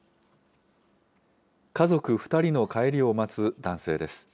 家族２人の帰りを待つ男性です。